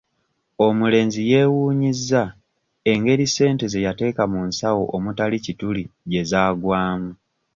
Omulenzi yeewuunyizza engeri ssente ze yateeka mu nsawo omutali kituli gye zaagwamu.